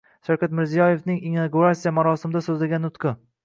Shavkat Mirziyoyevning inauguratsiya marosimida so‘zlagan nutqi